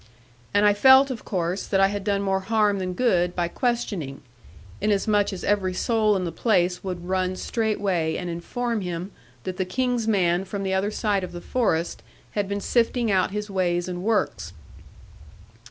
And I felt, of course, that I had done more harm than good by questioning; inasmuch as every soul in the place would run straightway and inform him that the King's man from the other side of the forest had been sifting out his ways and works.'